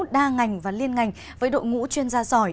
đa ngành và liên ngành với đội ngũ chuyên gia giỏi